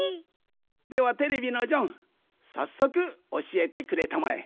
ではテレビのジョンさっそくおしえてくれたまえ。